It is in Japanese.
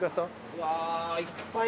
うわいっぱい